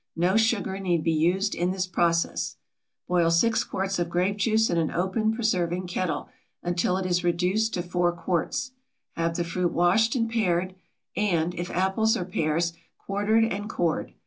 No sugar need be used in this process. Boil 6 quarts of grape juice in an open preserving kettle, until it is reduced to 4 quarts. Have the fruit washed and pared, and, if apples or pears, quartered and cored.